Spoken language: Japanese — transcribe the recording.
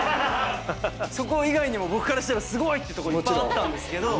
そこ以外にも僕からしたらすごいってとこいっぱいあったんですけど。